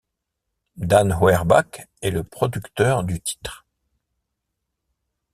Dan Auerbach est le producteur du titre.